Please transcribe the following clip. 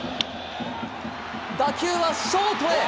打球はショートへ。